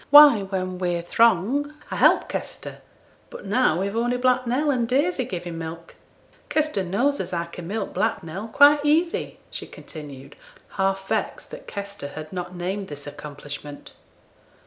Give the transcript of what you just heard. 'Why, when we're throng, I help Kester; but now we've only Black Nell and Daisy giving milk. Kester knows as I can milk Black Nell quite easy,' she continued, half vexed that Kester had not named this accomplishment.